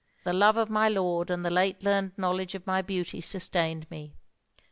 But the love of my lord and the late learned knowledge of my beauty sustained me.